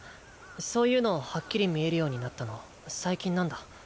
そういうのはっきり見えるようになったの最近なんだ。